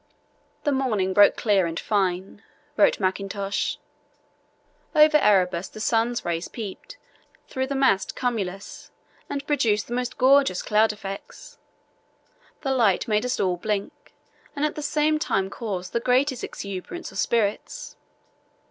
"The morning broke clear and fine," wrote Mackintosh. "Over Erebus the sun's rays peeped through the massed cumulus and produced the most gorgeous cloud effects. The light made us all blink and at the same time caused the greatest exuberance of spirits.